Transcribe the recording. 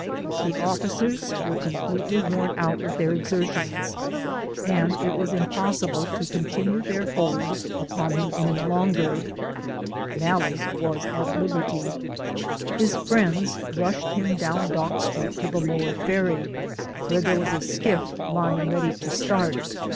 The officers were completely worn out with their exertions, and it was impossible to continue their hold upon him any longer. Nalle was at liberty. His friends rushed him down Dock Street to the lower ferry, where there was a skiff lying ready to start.